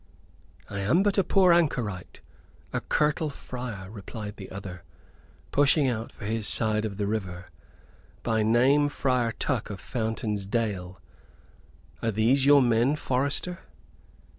"I am but a poor anchorite, a curtal friar," replied the other, pushing out for his side of the river. "By name Friar Tuck of Fountain's Dale. Are these your men, forester?"